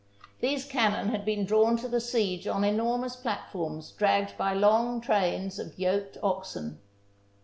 These cannon had been drawn to the siege on enormous platforms dragged by long trains of yoked oxen.